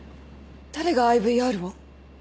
誰がＩＶＲを？